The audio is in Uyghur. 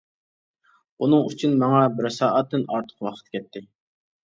بۇنىڭ ئۈچۈن ماڭا بىر سائەتتىن ئارتۇق ۋاقىت كەتتى.